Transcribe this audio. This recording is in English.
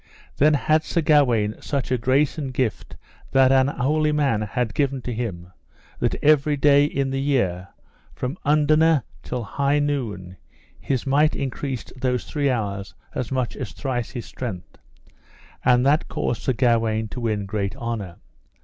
Then had Sir Gawaine such a grace and gift that an holy man had given to him, that every day in the year, from underne till high noon, his might increased those three hours as much as thrice his strength, and that caused Sir Gawaine to win great honour.